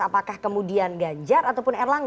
apakah kemudian ganjar ataupun erlangga